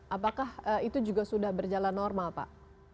apakah itu juga sudah berjalan normal pak